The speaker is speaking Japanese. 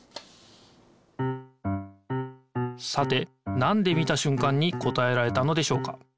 さてなんで見たしゅんかんに答えられたのでしょうか？